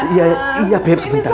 iya iya iya sebentar